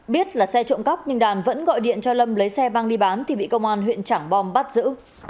biết là xe trộm cắp nhưng đàn vẫn gọi điện cho lâm lấy xe mang đi bán thì bị công an huyện trảng bom bắt giữ